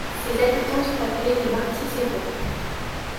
Ses habitants sont appelés les Martisserrois.